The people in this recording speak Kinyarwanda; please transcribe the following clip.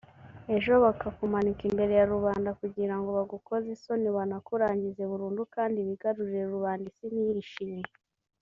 ejo bakakumanika imbere ya rubanda kugirango bagukoze isoni banakurangize burundu kandi bigarurire rubanda isi niyishime